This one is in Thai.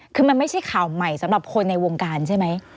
คือมันไม่ใช่ข่าวใหม่สำหรับคนในวงการใช่ไหม